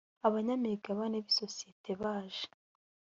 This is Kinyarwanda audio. abanyamigabane bisosiyete baje.